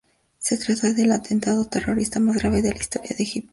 Se trata del atentado terrorista más grave de la historia de Egipto.